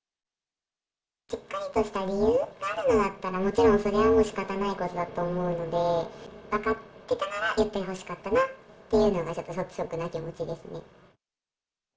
しっかりとした理由があるんだったら、もちろんそれはしかたないことだと思うので、分かってたなら言ってほしかったなっていうのが、かんぱーい！